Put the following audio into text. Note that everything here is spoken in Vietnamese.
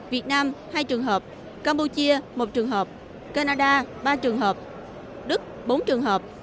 việt nam hai trường hợp campuchia một trường hợp canada ba trường hợp đức bốn trường hợp